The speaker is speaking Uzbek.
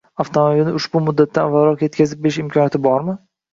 Avtomobilni ushbu muddatdan avvalroq etkazib berish imkoniyati bormi?